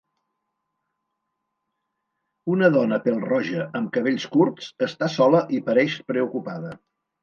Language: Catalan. Una dona pèl-roja amb cabells curts està sola i pareix preocupada.